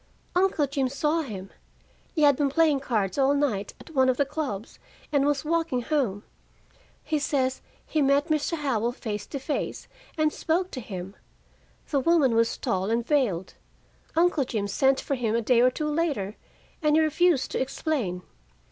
"Uncle Jim saw him. He had been playing cards all night at one of the clubs, and was walking home. He says he met Mr. Howell face to face, and spoke to him. The woman was tall and veiled. Uncle Jim sent for him, a day or two later, and he refused to explain.